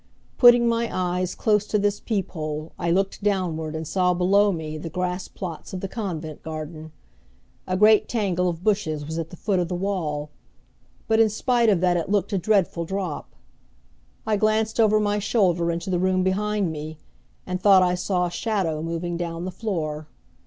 Putting my eyes close to this peep hole I looked downward and saw below me the grass plots of the convent garden. A great tangle of bushes was at the foot of the wall, but in spite of that it looked a dreadful drop. I glanced over my shoulder into the room behind me, and thought I saw a shadow moving down the floor.